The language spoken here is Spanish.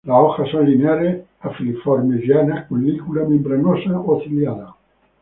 Las hojas son lineares a filiformes, llanas, con lígula membranosa o ciliada.